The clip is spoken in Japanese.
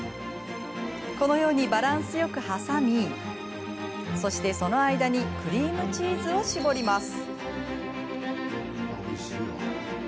このようにバランスよく挟みそして、その間にクリームチーズを絞ります。